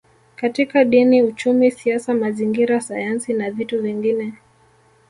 Katika Dini Uchumi Siasa Mazingira Sayansi na vitu vingine